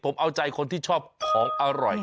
ผมเอาใจคนที่ชอบของอร่อย